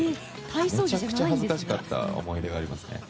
めちゃくちゃ恥ずかしかった思い出があります。